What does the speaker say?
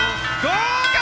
合格！